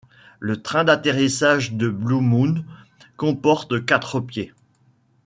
Le train d'atterrissage de Blue Moon comporte quatre pieds.